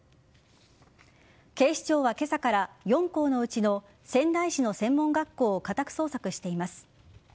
警視庁は今朝から４校のうちの仙台市の専門学校を家宅捜索しています。